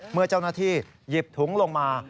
เมื่อเจ้าหน้าที่หยิบถุงลงมา